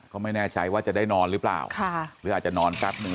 ก็ไม่แน่ใจว่าจะได้นอนหรือเปล่าหรืออาจจะนอนแป๊บหนึ่ง